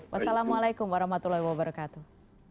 wassalamualaikum warahmatullahi wabarakatuh